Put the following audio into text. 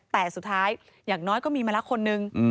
แต่สุดท้ายอย่างน้อยก็มีมาแล้วคนนึง